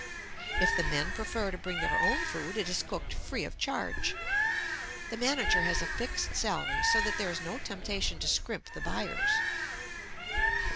If the men prefer to bring their own food, it is cooked free of charge. The manager has a fixed salary, so that there is no temptation to scrimp the buyers.